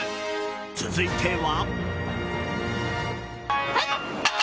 続いては。